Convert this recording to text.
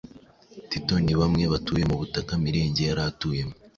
Tito ni umwe mu batuye mu butaka Mirenge yari atuyemo,